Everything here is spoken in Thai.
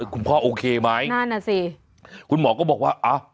คุณพ่อโอเคไหมนั่นน่ะสิคุณหมอก็บอกว่าอ่ะ